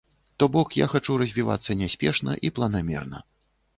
То бок я хачу развівацца няспешна і планамерна.